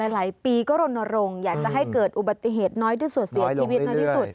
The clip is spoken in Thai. หลายปีก็รณรงค์อยากจะให้เกิดอุบัติเหตุน้อยที่สุดเสียชีวิตในที่สุด